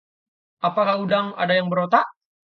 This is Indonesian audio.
apakah udang ada yang berotak?